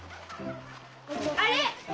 あれ！